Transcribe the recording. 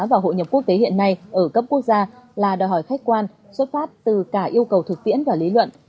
và hội nhập quốc tế hiện nay ở cấp quốc gia là đòi hỏi khách quan xuất phát từ cả yêu cầu thực tiễn và lý luận